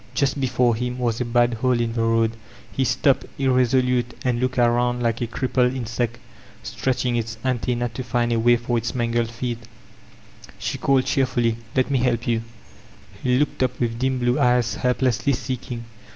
Just before him was a bad hole in the road; he stopped, irresolute, and looked around like a crippled insect stretching its anten* nc to find a way for its mangled feet She called cheer ily, ''Let me help you/' He looked up with dim blue eyes helplessly seddng.